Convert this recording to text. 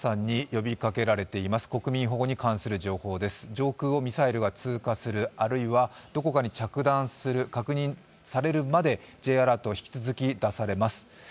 上空をミサイルが通過する、あるいはどこかに着弾するまでＪアラート、引き続き出されます。